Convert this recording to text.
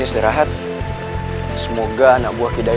di sumber pinang tawar itu oke